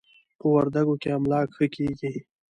په وردکو کې املاک ښه کېږي.